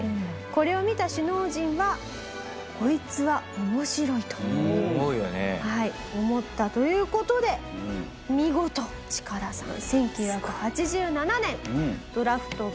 これを見た首脳陣は「こいつは面白い」と思ったという事で見事チカダさん。